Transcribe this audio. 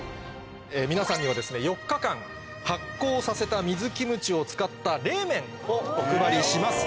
皆さんには４日間発酵させた水キムチを使った冷麺をお配りします。